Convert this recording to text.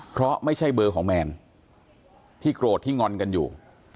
เพราะไม่ใช่เบอร์ของแมนที่โกรธที่งอนกันอยู่